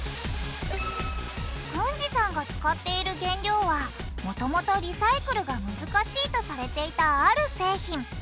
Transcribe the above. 軍司さんが使っている原料はもともとリサイクルが難しいとされていたある製品。